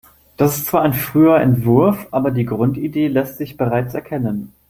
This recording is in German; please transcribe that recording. Das ist zwar ein früher Entwurf, aber die Grundidee lässt sich bereits erkennen.